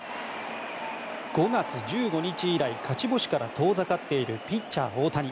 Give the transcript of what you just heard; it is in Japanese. ５月１５日以来勝ち星から遠ざかっているピッチャー大谷。